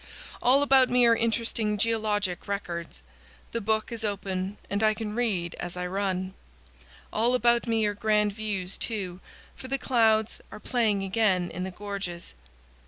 All about me are interesting geologic records. The book is open and I can read as I run. All about me are grand views, too, for the clouds are playing again in the gorges.